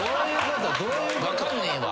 分かんねえわ。